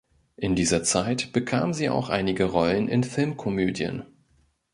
In dieser Zeit bekam sie auch einige Rollen in Filmkomödien.